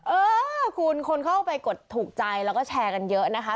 เออคุณคนเข้าไปกดถูกใจแล้วก็แชร์กันเยอะนะคะ